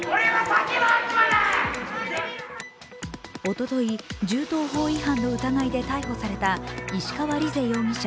おととい、銃刀法違反の疑いで逮捕された石川莉世容疑者